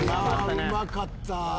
うまかったね。